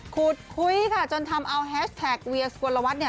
คูดคุ้ยค่ะจนทำเอาแฮชแท็กเวียสกวรวัตน์